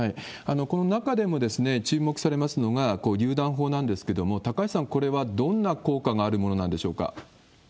この中でも注目されますのが、りゅう弾砲なんですけれども、高橋さん、これはどんな効果があるものなんでしょうか？